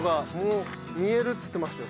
見えるって言ってましたよ